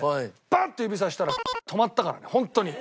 バッと指さしたら止まったからねホントに。